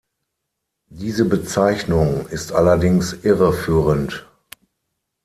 Diese Bezeichnung ist allerdings irreführend.